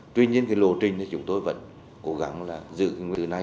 tuy nhiên cái lộ trình thì chúng tôi vẫn cố gắng là giữ cái nguyên liệu này